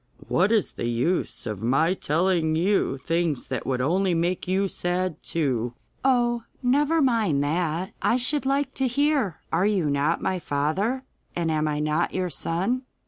'What is the use of my telling you things that would only make you sad too?' 'Oh, never mind that! I should like to hear. Are you not my father, and am I not your son?